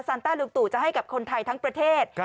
ต้าลุงตู่จะให้กับคนไทยทั้งประเทศ